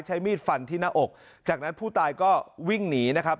ใช้มีดฟันที่หน้าอกจากนั้นผู้ตายก็วิ่งหนีนะครับ